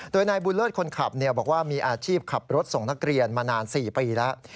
โดยนายบุญเลิศคนขับบอกว่ามีอาชีพขับรถส่งนักเรียนมานาน๔ปีแล้ว